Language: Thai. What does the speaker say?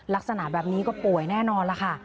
ลักษณะแบบนี้ก็ป่วยแน่นอนล่ะค่ะ